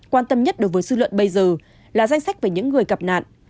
quan tâm nhất đối với dư luận bây giờ là danh sách về những người gặp nạn